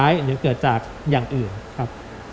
ในการแปลผลว่าเกิดจากการทำร้ายหรือเกิดจากอย่างอื่น